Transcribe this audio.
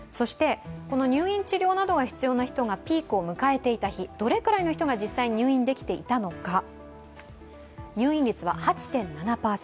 入院治療などが必要な人がピークを迎えた日どれくらいの人が実際に入院できていたのか、入院率は８．７％。